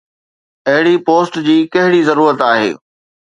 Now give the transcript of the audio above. اهڙي پوسٽ جي ڪهڙي ضرورت آهي؟